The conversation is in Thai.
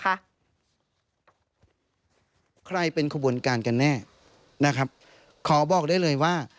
ใครเป็นขบวนการกันแน่นะครับขอบอกได้เลยว่า